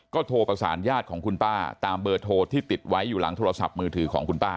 ก็โทรประสานญาติของคุณป้าตามเบอร์โทรที่ติดไว้อยู่หลังโทรศัพท์มือถือของคุณป้า